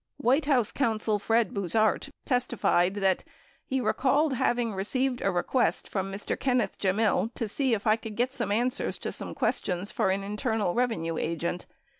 86 White House counsel Fred Buzhardt testified that he recalled having :received a request from Mr. Kenneth Gemmill to see if I could get some answer's to some questions for an Internal Revenue agent.